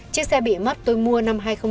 chiếc xe bị mất tôi mua năm hai nghìn bảy